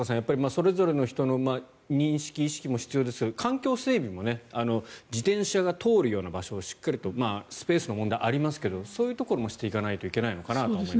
それぞれの人の認識、意識も必要ですが、環境整備も自転車が通る場所もしっかりとスペースの問題がありますがそういうこともしていかないといけないのかなと思います。